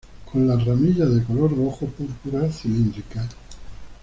Con las ramillas de color rojo púrpura, cilíndricas.